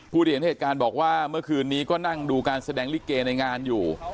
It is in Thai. ที่เห็นเหตุการณ์บอกว่าเมื่อคืนนี้ก็นั่งดูการแสดงลิเกในงานอยู่